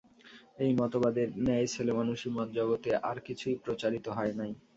এই মতবাদের ন্যায় ছেলেমানুষী মত জগতে আর কিছুই প্রচারিত হয় নাই।